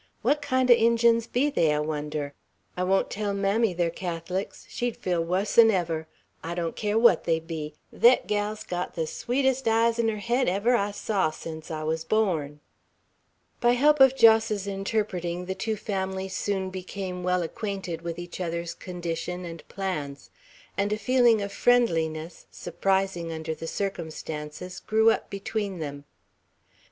"What kind o' Injuns be they I wonder. I won't tell mammy they're Catholics; she'd feel wuss'n ever. I don't care what they be. Thet gal's got the sweetest eyes'n her head ever I saw sence I wuz born." By help of Jos's interpreting, the two families soon became well acquainted with each other's condition and plans; and a feeling of friendliness, surprising under the circumstances, grew up between them.